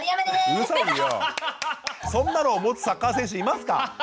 そんなのを持つサッカー選手いますか？